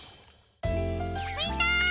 みんな！